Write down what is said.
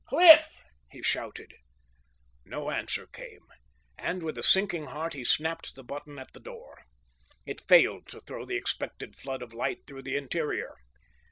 Cliff!" he shouted. No answer came, and with a sinking heart he snapped the button at the door. It failed to throw the expected flood of light through the interior.